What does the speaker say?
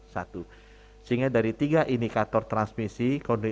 sehingga dari tiga indikator transmisi